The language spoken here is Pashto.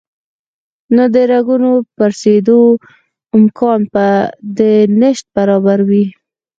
نو د رګونو پړسېدو امکان به د نشت برابر وي